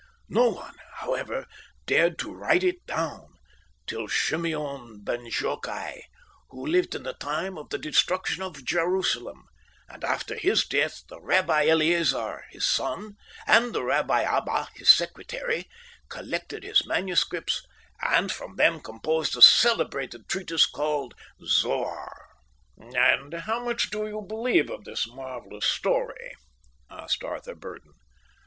No one, however, dared to write it down till Schimeon ben Jochai, who lived in the time of the destruction of Jerusalem; and after his death the Rabbi Eleazar, his son, and the Rabbi Abba, his secretary, collected his manuscripts and from them composed the celebrated treatise called Zohar." "And how much do you believe of this marvellous story?" asked Arthur Burdon.